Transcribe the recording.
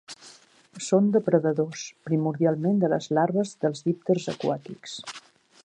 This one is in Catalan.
Són depredadors, primordialment de les larves dels dípters aquàtics.